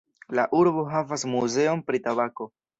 La urbo havas muzeon pri tabako.